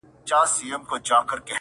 ماته خوښي راكوي~